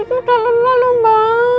nki udah lelah lomba